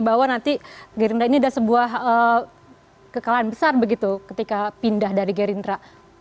bahwa nanti gerindra ini ada sebuah kekalahan besar begitu ketika pindah dari gerindra